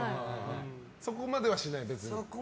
そこまでは、しない？